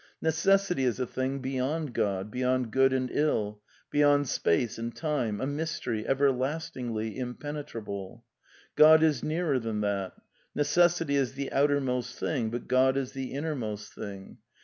Necessity is a thing beyond God — beyond good and ill, beyond space and time, a mystery, everlastingly impenetrable. God is nearer than that. Necessity is the outermost thing, but God is the innermost thing.